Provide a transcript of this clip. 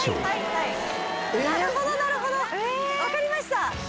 なるほどなるほど。わかりました。